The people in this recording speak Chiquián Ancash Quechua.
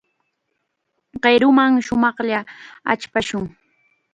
Qiruman shumaqlla achpashun.